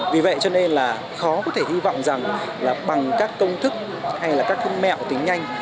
vì vậy cho nên là khó có thể hy vọng rằng là bằng các công thức hay là các mẹo tính nhanh